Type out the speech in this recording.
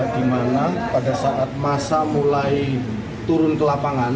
dimana pada saat masa mulai turun ke lapangan